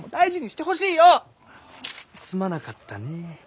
すまなかったねえ。